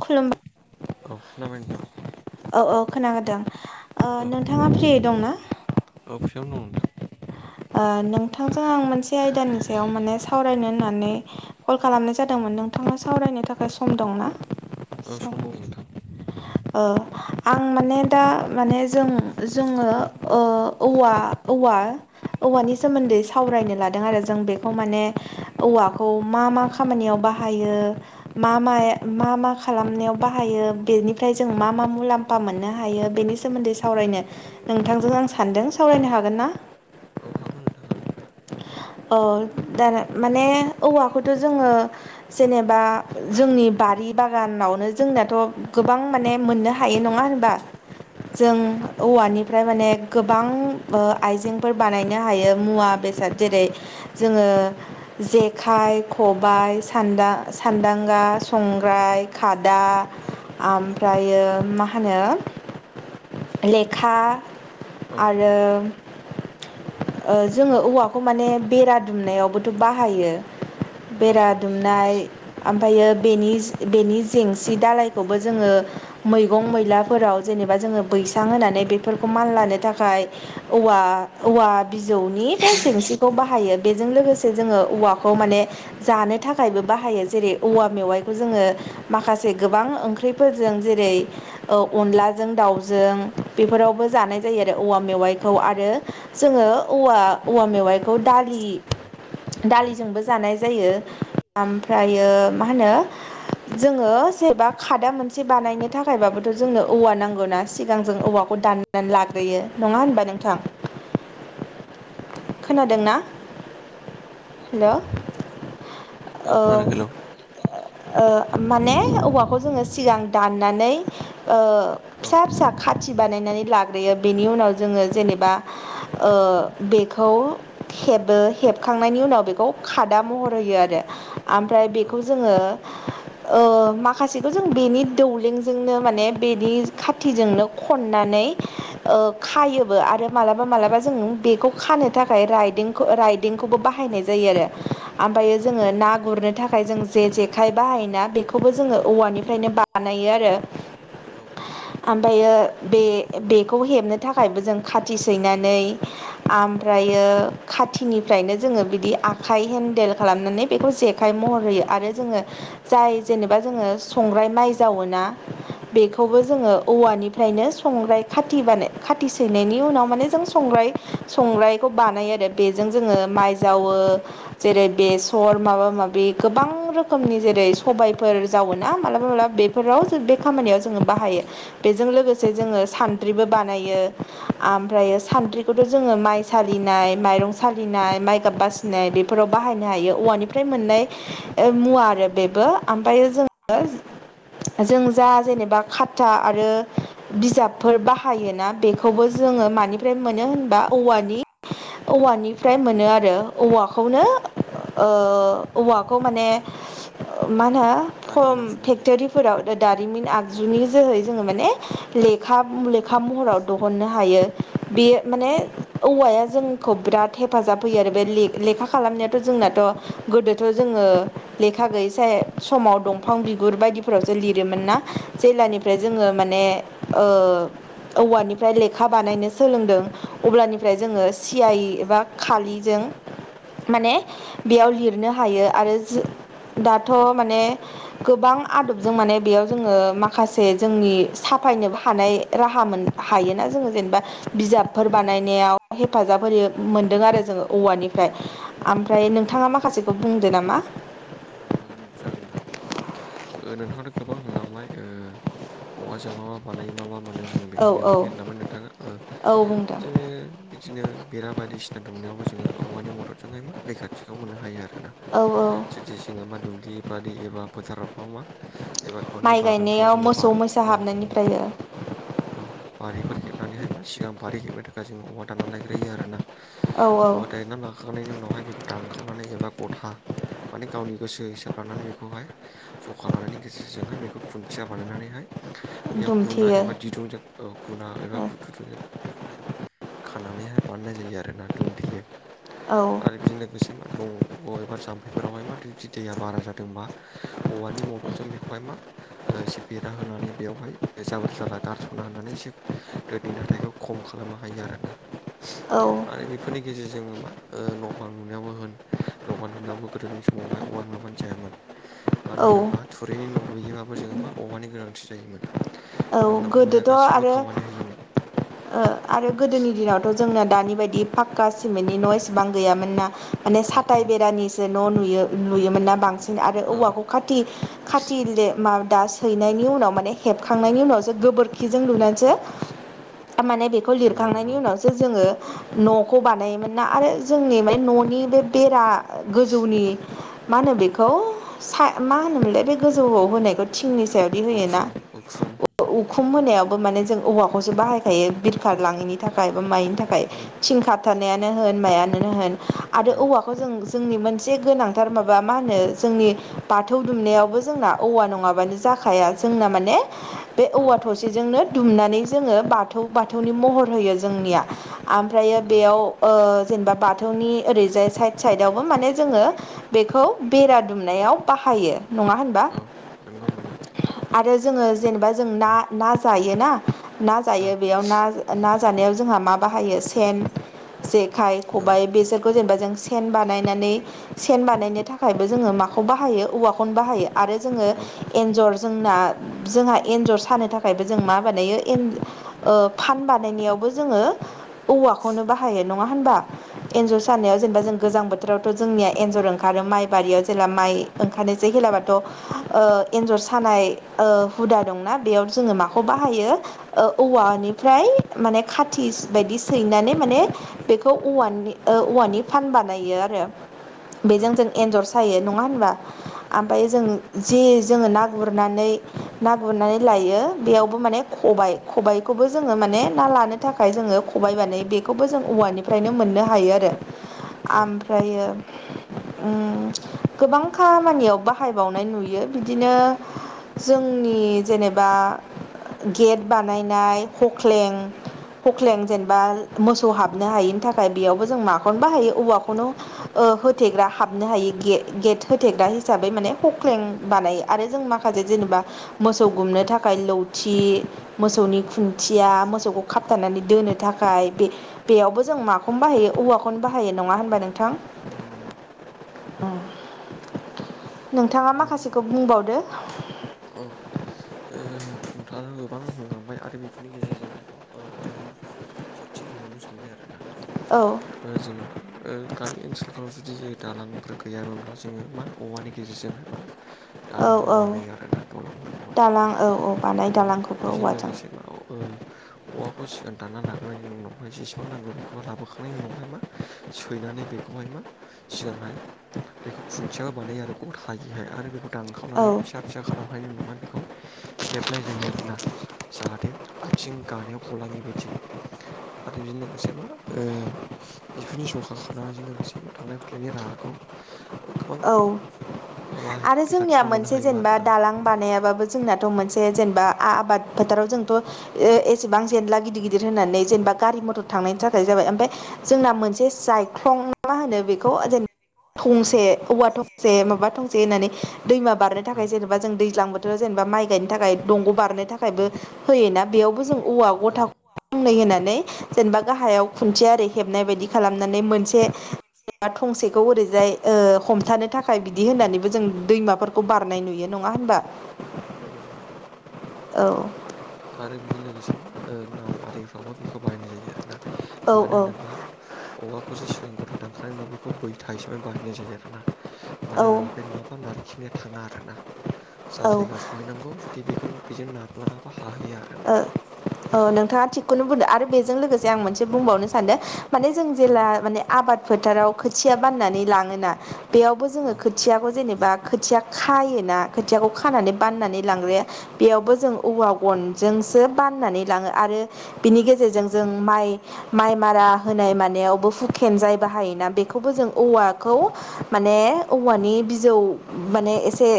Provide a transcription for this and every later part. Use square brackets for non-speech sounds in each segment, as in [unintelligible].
खुलुमबाय औ खोनाबाय औ औ खोनादों ओ नोंथाङा फ्रि दंना [unintelligible] औ फ्रियावनो दं नोंथां। ओ नोंथांजों आं मोनसे आयदानि सायाव माने सावरायनो होननानै कल खालामनाय जादोंमोन नोंथाङा सावरायनो थाख दा सम दंना? ओ सम दं नोंथां। ओ आं माने दा माने जों जोङो ओ औवा औवा औवानि सोमोन्दै सावरायनो लादों आरो जों बेखौ माने औवाखौ मा मा खामानियाव बाहायो मा माय मा मा खालामनायाव बाहायो बेनि जों मा मा मुलाम्फा मोननो हायो बेनि सोमोन्दै सावरायनो नोंथांजों आं सान्दों सावरायनो हागोनना औ हागोन नोंथां हागोन औ [unintelligible] माने औवाखौथ' जोङो जेनेबा जोंनि बारि बागानावनो जोंनाथ' गोबां माने मोननो हायो नङा होनबा औ जों औ औवानिफ्राय माने गोबां ओ आइजेंफोर बानायनो हायो मुवा बेसाद जेरै जोङो जेक खाइ खबाइ सानदा सान्दांगा संग्राय खादा औ औ आमफ्रायो मा होनो लेखा औ आरो जोङो औवाखौ माने बेरा दुमनायावबोथ' बाहायो औ बेरा औ दुमनाय ओमफ्रायो बेनि बेनि जेंसि दालाय खौबो जोङो मैगं मैलाफोराव जेनेबा जोङो बैसां होनानै बेफोरखौ मानलानो थाखाय औवा औवा बिजौनि बे जेंसिखौ बाहायो बेजों लोगोसे जोङो औवाखौ माने जानो थाखायबो बाहायो जेरै औवा मेवाइखौ जोङो माखासे गो बां ओंख्रैफोरजों जेरै औ अनलाजों दाउजों बेफोरावबो जानाय जायो आरो औवा मेवाइखौ आरो जोङो औवा औवा मेवाइखौ दालि दालिजोंबो जानाय जायो ओमफ्रायो मा होनो जोङो जेनेबा खादा मोनसे बानायनो थाखायबाबोथ' जोंनो औवा नांगौ ना सिगां जों औवाखौ दान नानै लाग्रोयो नङा होनबा नोंथां खोनादोंना हेलौ औ ओ खोनादों हेलौ ओ माने औवाखौ जोङो सिगां दाननानै ओ औ फिसा फिसा खाथि बानायनानै लाग्रोयो बेनि उनाव जोङो जेनेबा ओ बेखौ हेबो हेबखांनायनि उनाव बेखौ खादा महर होयो आरो ओमफ्राय औ बेखौ जोङो ओ औ माखासेखौ जों बेनि दौलेंजोंनो माने बेनि खाथिजोंनो खननानै ओ औ खायोबो आरो मालाबा मालाबा जों बेखौ खानो थाखाय राइदिं राइदिंखौबो बाहायनाय जायो आरो ओमफ्रायो औ जोङो ना गुरनो थाखाय जों जे-जेखाइ बाहायोना बेखौबो जोङो औवानिफ्रायनो बानायो आरो। औ औ ओमफ्रायो बे-बेखौ हेबनो थाखायबो जों खाथि सैनानै ओमफ्रायो खाथिनिफ्रायनो जोङो बिदि आखाइ हेन्देल खालामनानै बेखौ जेखाय महर आरो जोङो जाय जेनेबा जोङो संग्राय माइ जावोना औ बेखौबो उम जोङो औवानिफ्रायनो संग्राय खाथि बानाय खाथि सोननायनि उनाव माने जों संग्राय संग्रायखौ बानाय आरो। बेजों जोङो माइ जावो। जेरै ओ बेसर माबा माबि गोबां रोखोमनि जेरै सबाय फोर जावोना मालाबा मालाबा बेफोराव जों बे खामानियाव जोङो बाहायो। बेजों लोगोसे जोङो सानद्रिबो बानायो। ओमफ्रायो सानद्रिखौथ' जोङो माइ सालिनाय माइरं सालिनाय माइगाब बासि नै बेफोराव बाहायनो हायो औवानिफ्राय मोननाय ओ मुवा आरो बेबो। ओमफ्रायो जोङो जों जा जेनेबा खाथा आरो बिजाबफोर बाहायोना बेखौबो जोङो मानिफ्राय मोनो होनबा औवानि औवानिफ्राय मोनो आरो औवाखौनो ओ औवाखौ माने मा होनो खम फेक्टरि फोराव दारिमिन आगजुनि जोहै जोङो माने लेखा लेखा महराव दहननो हायो। बेयो औ माने औवाया जोंखौ बिराद हेफाजाब होयो आरो बे ले लेखा खालामनायाथ' जोंनाथ' गोदोथ' जोङो लेखा गै साय समाव दंफां बिगुर बायदिफोरावसो लिरोमोन ना जेलानिफ्राय जोङो माने ओ औवानिफ्राय लेखा बानायनो सोलोंदों अब्लानिफ्राय जोङो सि आइ एबा खालिजों माने बेयाव लिरनो हायो आरो दाथ' माने गोबां आदबजों माने बेयाव जोङो माखासे जोंनि साफायनोबो हानाय राहा मोन। हायोना जोङो जेनेबा बिजाबफोर बानायनायाव हेफाजाब होयो मोनदों आरो जोङो औवानिफ्राय। जों औ ओमफ्राय नोंथाङा माखासेखौ बुंदो नामा? औ हागोन जागोन नोंथां। ओ नोंथां आथ' गोबां लांबाय ओ औवाजों मा मा माबानायो मा मा मोनो जोङो औ बेफोरनि औ बागै होनामा नोंथाङा ओ औ बुंदों जोङो बिदिनो बेरा बायदिसिना दुंनायावबो जोङो औवानि मददजोंहाय मा रैखाथिखौ मोननो हायो आरोना औ औ जुदि जोङो मा दुब्लि बारि एबा फोथारावफ्राव मा एबा गावनि माइ बागानफ्राव गायनायाव जोङो बा मोसौ मैसा औ हाबनायनिफ्रायो औ बारिफोर खेबनानैहाय मा सिगां बारि हेबनो थाखाय जोङो औवा दानानानै लायग्रोयो आरोना। औ औ औवा दायना लाखांनायनि उनावहाय बेखौ दानखावनानै एबा गथा। माने गावनि गोसो हिसाब लानानै बेखौहाय ज' उखाना लानायनि गेजेरजोंहाय बेखौ खुन्थिया बानायनानैहाय बेयाव गुना दुमथेयो एबा दिरुंजों। औ गुना एबा गुथुथुजों बेखौहाय। खानानैहाय बानायनाय जायो आरोना दुमथेयो। औ। आरो बेजों लोगोसे मा दं अबेबा जाम्फैफोरावहाय मा जुदि दैया बारा जादोंबा औवा नि मददजों बेखौहाय मा ओ एसे बेरा होनानै बेवहाय जाबोर जाला गारस'ना होनानै एसे दोनि नाथायखौ खम खालामनो हायो आरोना औ आरो बे बेफोरनि गेजेरजों मा ओ न' बां लुनायावबो होन न' बां लुनायावबो गोदोनि समावहाय औवा नङाबानो जायामोन। मानो औ होनोबा थुरिनि न' लुयोबाबो जोङो मा औवानि गोनांथि जायोमोन। औ मानोना औवाया गोदोथ' गासैबो आरो खामानि होयोमोन। ओ आरो गोदोनि दिनावथ' जोंना दानि बायदि फाक्का सिमेन्टनि न' एसेबां गैयामोन ना। माने औ साथाइ बेरानिसो न' नुयो नुयोमोन ना बांसिन आरो औ औवाखौ खा खाथि खाथि लि मा दा सैनायनि उनाव माने हेब। खांनायनि उनावसो गोबोरखिजों लुनानैसो माने बेखौ नंगौ लिरखांनायनि नंगौ उनाव जोङो न'खौ बानायोमोन ना आरो जोंनि मे न'नि बे बेरा। ओ गोजौनि मा होनो बेखौ सा मा होनोमोनलाय बे। गोजौआव होनायखौ थिंनि सायावदि होयोना? उखुम उखुम उखुम होनायावबो माने जों औवाखौसो बाहायखायो बिरखार लाङैनि थाखाय मायनि थाखाय थिं खाबथानायानो होन मायनो होन आरो औ औवा। खौ जों जोंनि मोनसे गोनां। थार माबा मा होनो जोंनि बाथौ दुमनायावबो जोंना औवा नङाबानो जाखाया जोंना माने बे औ औवा जोंनो थसेजोंनो दुमनानै जोङो बाथौ बाथौनि महर होयो जोंनिया आमफ्रायो बेयाव ओ जेनेबा बाथौनि ओरैजाय साइड साइडआवबो माने जोङो बेखौ बेरा दुमनायाव बाहायो नङा होनबा? औ नोंगौ नोंगौ आरो जोङो जेनेबा जों ना ना जायोना ना औ जायो बेयाव ना ना जानायाव जोंहा मा बाहायो सेन जेखाइ खबबाय बेसोरखौ जेनेबा जों सेन बानायनानै सेन बानायनो थाखायबो जोङो माखौ बाहायो औवाखौनो बाहायो आरो जोङो एन्जर जोंना जोंहा एन्जर सानो थाखायबो जों मा बानायो एन औ फान बानायनायावबो जोङो औवाखौनो बाहायो नङा होनबा? नङा एन्जर होनबा सानायाव जेनेबा जों गोजां बोथोरावथ' जोंनिया एन्जर ओंखारो माइ बारियाव जेला माइ ओंखानोसै गैलाबाथ' ओ एन्जर सानाय ओ हुदा दंना बेयाव जोङो माखौ बाहायो? ओ औवानिफ्राय माने खाथिस बायदि सैनानै माने बेखौ औवानि ओ औवानि फान बानायो आरो बेजों जों एन्जर सायो नङा होनबा? होनबा आमफाय जों जे जोङो ना गुरनानै ना गुरनानै लायो बेयावबो माने खबाइ खबाइखौबो जोङो माने ना लानो थाखाय जोङो खबाय बानायो बेखौबो जों औवानिफ्रायनो मोननो हायो आरो आमफ्रायो उम गोबां खामानियाव बाहायबावनाय नुयो बिदिनो जोंनि जेनेबा गेट बानायनाय हख्लें हख्लें जेनेबा मोसौ हाबनो हायिनि थाखाय बेयावबो जों माखौनो बाहायो औवाखौनो ओ होथेग्रा हाबनो हायो गे गेट होथेग्रा हिसाबै माने हख्लें बानायो आरो जों माखासे जेनेबा मोसौ गुमनो थाखाय लौथि मोसौनि खुन्थिया, मोसौखौ खाबथानानै दोनो थाखाय बे बेयावबो जों माखौनो बाहायो औवाखौनो बाहायो नङा होनबा नों थां नोंथां उम नोंथाङा माखासेखौ बुंबावदो औ औ नोंथांआ गोबां होमखांबाय आरो बेफोरनि गेजेरजोंहाय बाव ओ आङो सदसे बुंहावनो सानबाय आरो ना औ ओ जोङो मा ओ गामि ओनसोलफ्राव जुदि दालांफोर गैयामोनब्ला जोङो मा औवानि गेजेरजों हाय मा औ दालांखौ औ बानायो आरो ना दलांफोरखौहाय दालां औ औ बानाय औ दालांखौबो बेजों औवाजों लोगोसे माव ओ औवाखौ सिगां दानना लाग्रोनायनि उनावहाय जेसेबां नांगौ बेखौहाय लाबोखांनायनि उनावहाय मा सैनानै बेखौहाय मा सिगांहाय बेखौ खुन्थिया बानायो आरो ग'थायिहाय आरो बेखौ दानखावनानै औ फिसा फिसा खालामखांनायनि उनावहाय बेखौ हेबनाय जायो आरोना जाहाथे आथिं गानायाव गलाङि बायदि आरो बिजों लोगोसे मा ओ [unintelligible] बेफोरनि जखा खालामनायजों लोगोसे मा थांलाय फैलायनि राहाखौ ओ गोबां औ माबा आरो जोंनिया रैखाथिखौ मोननो मोनसे हायोमोन जेनेबा आरोना। दालां बानायाबाबो जोंनाथ' मोनसे जेनेबा आबाद फोथाराव जोंथ' एसेबां जेनला गिदिर गिदिर होननानै जेनेबा गारि मथर थांनायनि थाखाय जाबाय ओमफ्राय जोंना मोनसे जाय ख्लं मा होनो बेखौ जेनबा औ थंसे औवा थसे माबा थसे होननानै दैमा बारनो थाखाय जेनेबा जों दैज्लां बोथोराव जेनेबा माइ गायनो थाखाय दंग' बारनो औ थाखायबो होयोना बेयावबो जों औवा औ गथा [unintelligible] फंनै होनानै जेनेबा गाहायाव खुन्थिया ओरै हेबनाय बायदि खालामनानै मोनसे [unintelligible] थंसेखौ ओरैजाय हमथानो थाखाय बिदि होननानैबो जों दैमाफोरखौ बारनाय नुयो नङा होनबा [inaudible] नंगौ नंगौ औ आरो बेजों लोगोसे मा ओ नाव आरिफ्रावबो बेखौ बाहायनाय जायो आरोना औ मानो होनोबा औवाखौसो सिगां गथा दांखांनायनि उनाव बेखौ बैथा हिसाबै बाहायनाय जायो आरोना मानो औ होनोब्ला बे नङाबा नारखिनाया थाङा आरोना जा औ जायगा सम सहैनांगौ जुदि बेखौ बेजों नारलाङाबा सहैया आरो ना। ओ औ नोंथाङा थिगखौनो बुंदों आरो बेजों लोगोसे आं मोनसे बुंबावनो सानदों माने जों जेला माने आबाद फोथाराव खोथिया बाननानै लाङोना बेयावबो औ जोङो खोथियाखौ जेनेबा खोथिया खायोना खोथियाखौ खानानै बाननानै लांग्रो बेयावबो जों औवा गन सो बाननानै लाङो आरो बिनि गेजेरजों जों माइ माइ मारा होनाय मानायावबो हुकेन जाय बाहायोना बेखौबो जों औवाखौ माने औवानि बिजौ माने एसे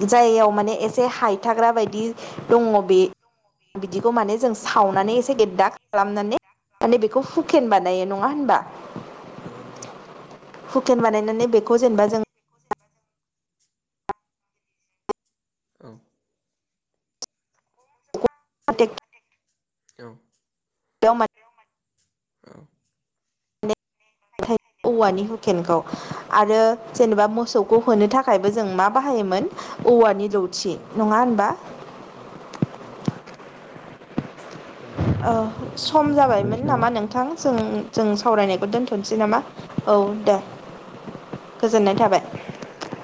जायगायाव माने एसे हायथाग्रा बायदि दङ बे बिदिखौ माने जों सावनानै एसे गेददा खालामनानै माने बेखौ हुखेन बान नङा होमबा होनबा नंगौ हुकेन बानायनानै बेखौ जेनेबा जों औ औ बेयाव औवानि हुकेनखौ आरो जेनेबा औ मोसौ खौ होनो थाखायबो जों मा बाहायोमोन औवानि लावथि नङा होनबा। नोंगौ खोनादों सम जाबायमोन नामा नोंथां जों जों सावरायनायखौ दोन्थ'नोसै नामा? औ दे नामा औ गोजोननाय थाबाय।